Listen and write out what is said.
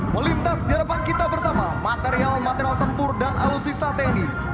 melintas di hadapan kita bersama material material tempur dan alutsista tni